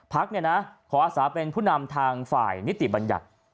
ขออาศาเป็นผู้นำทางฝ่ายนิติบัญญัติ